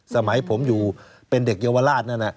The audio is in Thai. สมัยผมอยู่เป็นเด็กเยาวราชนั่น